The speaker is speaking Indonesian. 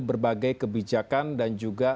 berbagai kebijakan dan juga